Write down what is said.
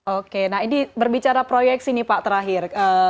oke nah ini berbicara proyeksi nih pak terakhir